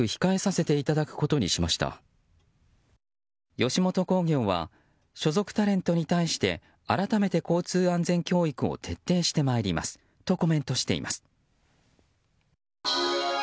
吉本興業は所属タレントに対して改めて交通安全教育を徹底してまいりますとコメントしています。